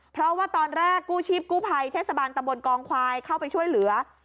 เพราะว่าตอนแรกกู้ชีพกู้ภัยเทศบาลตะบนกองควายเข้าไปช่วยเหลือ